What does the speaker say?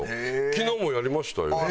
昨日もやりましたよ。